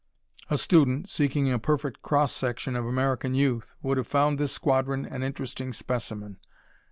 A student, seeking a perfect cross section of American youth, would have found this squadron an interesting specimen.